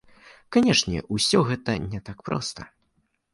Канешне, усё гэта не так проста.